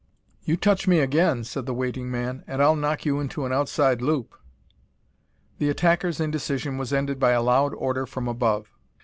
"You touch me again," said the waiting man, "and I'll knock you into an outside loop." The attacker's indecision was ended by a loud order from above.